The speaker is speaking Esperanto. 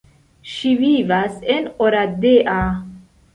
Ŝi vivas en Oradea.